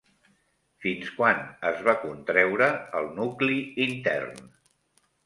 Fins quan es va contreure el nucli intern?